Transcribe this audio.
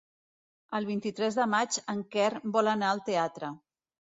El vint-i-tres de maig en Quer vol anar al teatre.